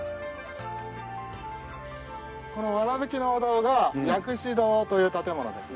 このわらぶきのお堂が薬師堂という建物ですね。